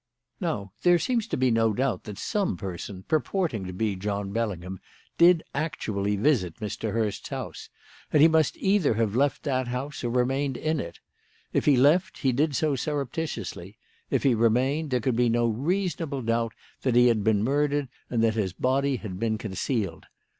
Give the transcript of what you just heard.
"Now, there seemed to be no doubt that some person, purporting to be John Bellingham, did actually visit Mr. Hurst's house; and he must either have left that house or remained in it. If he left, he did so surreptitiously; if he remained, there could be no reasonable doubt that he had been murdered and that his body had been concealed.